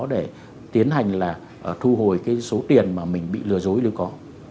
để tiến hành là thu hồi cái số tiền mà mình bị lừa dối nếu có